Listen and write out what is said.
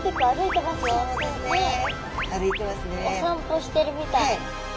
お散歩してるみたい。